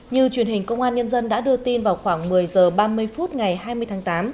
như truyền hình công an nhân dân đã đưa tin vào khoảng một mươi h ba mươi phút ngày hai mươi tháng tám